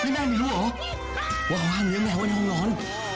แม่ไม่รู้เหรอว่าเขาห้างเลี้ยงแมวไว้ในห้องนอน